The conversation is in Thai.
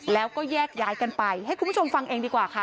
แล้วก็แยกย้ายกันไปให้คุณผู้ชมฟังเองดีกว่าค่ะ